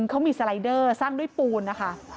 เขามีสไลเดอร์สร้างด้วยปูนนะคะ